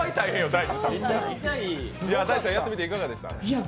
Ｄａｉｃｈｉさん、やってみていかがでしたか？